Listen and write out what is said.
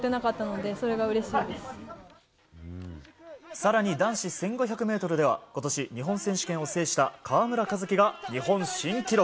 更に男子１５００ｍでは今年、日本選手権を制した河村一輝が日本新記録。